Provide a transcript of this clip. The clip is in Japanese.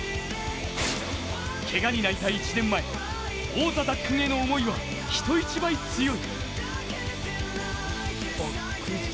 けがに泣いた１年前、王座奪還への思いは人一倍強い。